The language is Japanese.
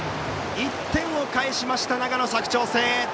１点を返しました長野・佐久長聖。